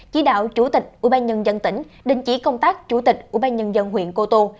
chỉ đạo chủ tịch ủy ban nhân dân tỉnh đình chỉ công tác chủ tịch ủy ban nhân dân huyện cô tô